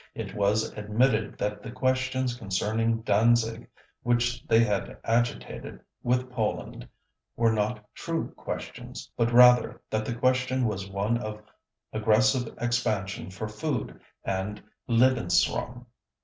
It was admitted that the questions concerning Danzig which they had agitated with Poland were not true questions, but rather that the question was one of aggressive expansion for food and "Lebensraum".